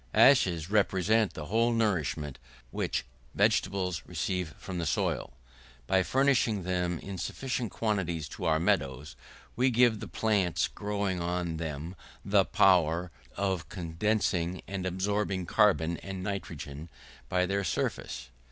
Ashes represent the whole nourishment which vegetables receive from the soil. By furnishing them in sufficient quantities to our meadows, we give to the plants growing on them the power of condensing and absorbing carbon and nitrogen by their surface.